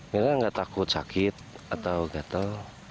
mila gak takut sakit atau gatel